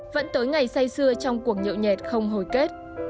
vẫn tới ngày say xưa trong cuộc nhậu nhẹt không hồi kết